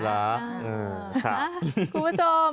คุณผู้ชม